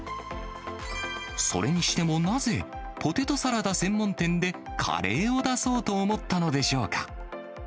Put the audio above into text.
それにしてもなぜ、ポテトサラダ専門店でカレーを出そうと思ったのでしょうか。